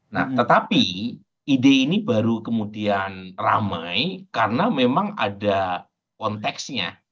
nah tetapi ide ini baru kemudian ramai karena memang ada konteksnya